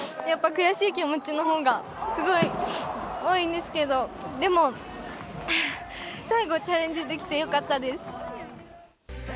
やっぱり悔しい気持ちのほうが多いんですけれど、でも最後、チャレンジできてよかったです。